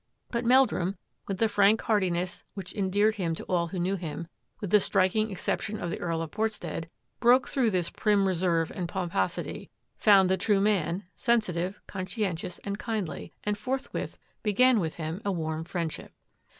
But Meldrum, with the frank heart iness which endeared him to all who knew him, with the striking exception of the Earl of Port stead, broke through this prim reserve and pomposity, found the true man, — sensitive, con scientious, and kindly, — and forthwith began with him a warm friendship.